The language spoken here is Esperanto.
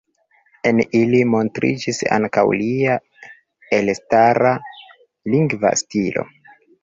En ili montriĝis ankaŭ lia elstara lingva stilo.